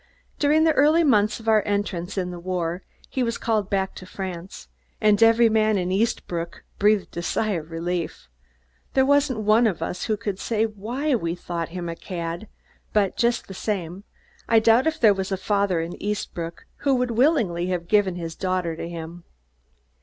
During the early months of our entrance in the war he was called back to France, and every man in Eastbrook breathed a sigh of relief. There wasn't one of us who could say why we thought him a cad, but just the same, I doubt if there was a father in Eastbrook who would willingly have given his daughter to him.